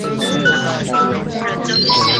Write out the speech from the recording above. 该物种的模式产地在海南岛。